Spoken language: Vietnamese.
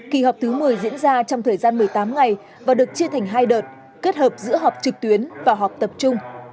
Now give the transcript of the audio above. kỳ họp thứ một mươi diễn ra trong thời gian một mươi tám ngày và được chia thành hai đợt kết hợp giữa họp trực tuyến và họp tập trung